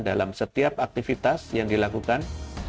dalam setiap aktivitas yang dilakukan